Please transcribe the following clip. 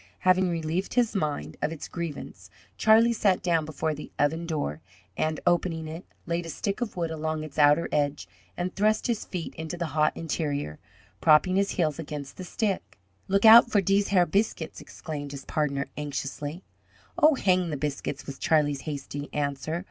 Having relieved his mind of its grievance, Charlie sat down before the oven door, and, opening it, laid a stick of wood along its outer edge and thrust his feet into the hot interior, propping his heels against the stick. "Look oud for dese har biscuits!" exclaimed his partner, anxiously. "Oh, hang the biscuits!" was Charlie's hasty answer.